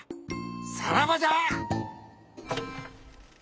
さらばじゃ！